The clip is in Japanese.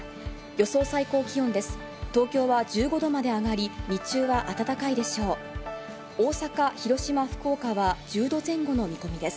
予想最高気温です。